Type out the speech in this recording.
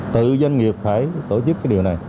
tự doanh nghiệp phải tổ chức điều này